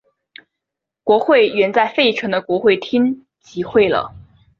国会原在费城的国会厅集会了。